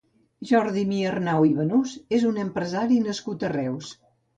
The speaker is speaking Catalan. Jordi Miarnau i Banús és un empresari nascut a Reus.